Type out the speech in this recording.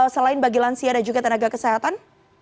selain bagi lansia dan juga tenaga kesehatan